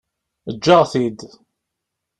Eǧǧ-aɣ-t-id.